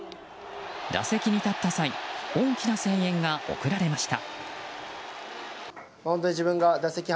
打席に立った際大きな声援が送られました。